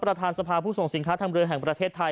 ประธานสภาผู้ส่งสินค้าทางเรือแห่งประเทศไทย